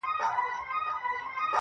ائینه زړونه درواغ وایي چي نه مرو.